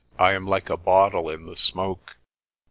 I am like a bottle in the smoke.